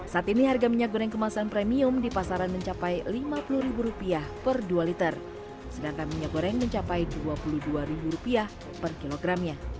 saat ini harga minyak goreng kemasan premium di pasaran mencapai rp lima puluh per dua liter sedangkan minyak goreng mencapai rp dua puluh dua per kilogramnya